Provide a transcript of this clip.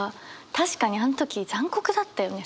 確かにあの時残酷だったよね